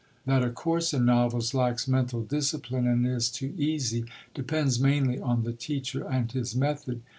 That a course in novels lacks mental discipline and is too easy depends mainly on the teacher and his method.